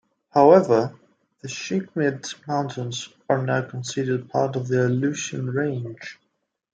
However the Chigmit Mountains are now considered part of the Aleutian Range.